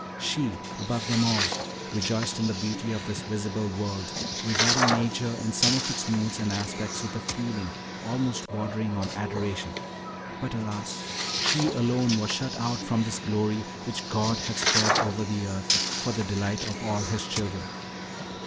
She, above them all, rejoiced in the beauty of this visible world, regarding nature in some of its moods and aspects with a feeling almost bordering on adoration; but, alas! she alone was shut out from this glory which God had spread over the earth for the delight of all his children.